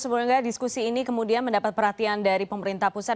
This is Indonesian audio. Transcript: semoga diskusi ini kemudian mendapat perhatian dari pemerintah pusat